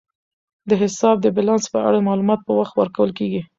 د حساب د بیلانس په اړه معلومات په وخت ورکول کیږي.